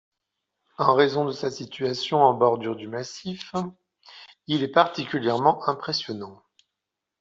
En raison de sa situation en bordure du massif, il est particulièrement impressionnant.